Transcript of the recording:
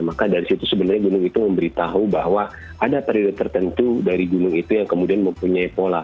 maka dari situ sebenarnya gunung itu memberitahu bahwa ada periode tertentu dari gunung itu yang kemudian mempunyai pola